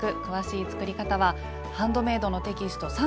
詳しい作り方は「ハンドメイド」のテキスト